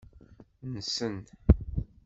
Nnsen.